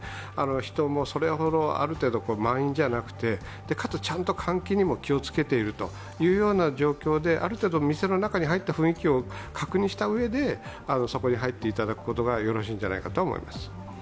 人もそれほど、ある程度、満員じゃなくて、かつちゃんと換気にも気をつけているというような状況である程度店に入って雰囲気を確認したうえでそこに入っていただくことがよろしいんじゃないかと思います。